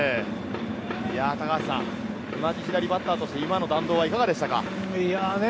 高橋さん、左バッターとして今の弾道はいかがでしたか？